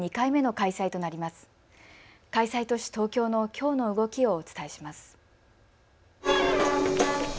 開催都市、東京のきょうの動きをお伝えします。